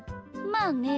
まあね。